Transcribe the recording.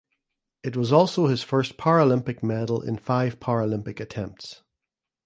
It was also his first Paralympic medal in five Paralympic attempts.